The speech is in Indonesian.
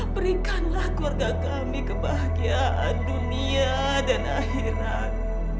berikanlah keluarga kami kebahagiaan dunia dan akhirat